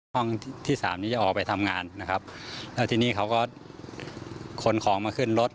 ห้องที่สามนี้จะออกไปทำงานนะครับแล้วทีนี้เขาก็ขนของมาขึ้นรถ